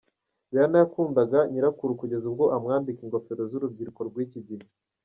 Rihanna yakundaga nyirakuru kugeza ubwo amwambika ingofero z'urubyiruko rw'iki gihe.